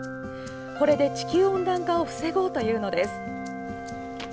これで、地球温暖化を防ごうというのです。